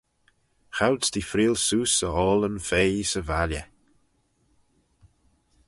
Choud's t'eh freayll seose e oayllyn feaie 'sy valley.